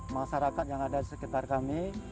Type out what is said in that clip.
masyarakat yang ada di sekitar kami